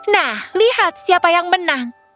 nah lihat siapa yang menang